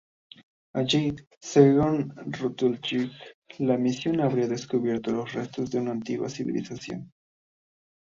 Allí, según Rutledge, la misión habría descubierto los restos de una antigua civilización.